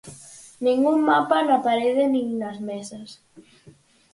Nin un mapa na parede nin nas mesas.